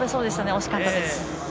惜しかったです。